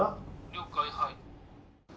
了解はい。